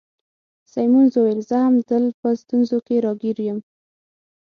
سیمونز وویل: زه هم تل په ستونزو کي راګیر یم.